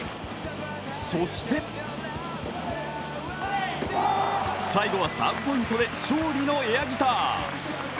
そして最後はサーブポイントで勝利のエアギター。